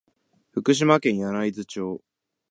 福島県柳津町